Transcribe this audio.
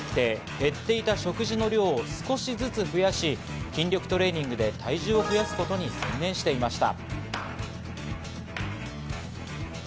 減っていた食事の量を少しずつ増やし筋力トレーニングで体重を増やすことに専念していました。